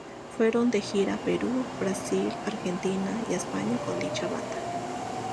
Fueron de gira a Perú, Brasil, Argentina y España con dicha banda.